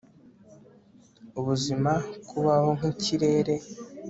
Ubuzima Kubaho nkikirere